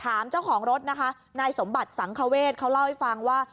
เจ้าของรถนะคะนายสมบัติสังคเวทเขาเล่าให้ฟังว่า